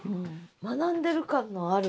学んでる感のある。